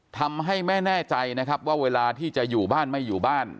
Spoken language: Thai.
ทำให้แม่แน่ใจนะครับว่าเวลาที่จะอยู่บ้านไม่อยู่บ้าน